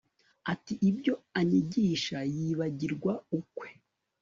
Ati Ibyo anyigisha yibagirwa ukwe